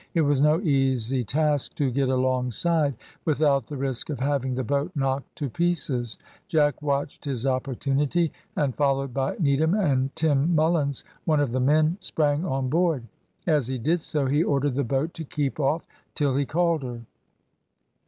It was no easy task to get alongside without the risk of having the boat knocked to pieces. Jack watched his opportunity, and, followed by Needham and Tim Mullens, one of the men, sprang on board. As he did so, he ordered the boat to keep off till he called her.